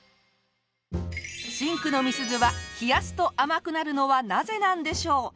真紅の美鈴は冷やすと甘くなるのはなぜなんでしょう？